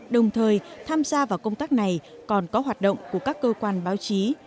đồng thời tham gia vào công tác này còn có hoạt động của các cơ quan báo chí